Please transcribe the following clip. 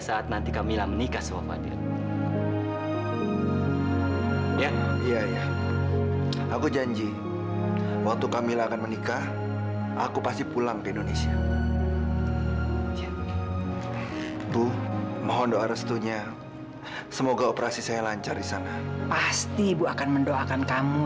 sampai jumpa di video selanjutnya